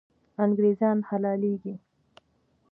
انګریزان حلالېږي.